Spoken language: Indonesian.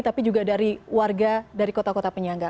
tapi juga dari warga dari kota kota penyangga